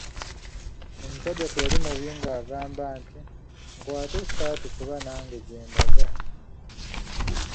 Omusajja teyali mubi ng'angamba nti, "nkwata essaati kuba nange gye ndaga."